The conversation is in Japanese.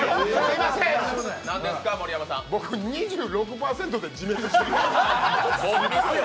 僕、２６％で自滅してる。